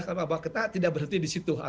karena kita tidak berhenti di situ